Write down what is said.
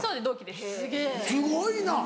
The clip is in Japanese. すごいな！